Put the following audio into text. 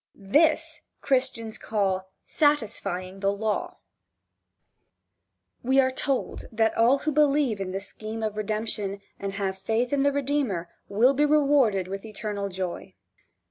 This, Christians call, "satisfying the law." VII. BELIEF. WE are told that all who believe in this scheme of redemption and have faith in the redeemer will be rewarded with eternal joy.